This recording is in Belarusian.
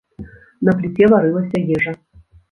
На пліце варылася ежа.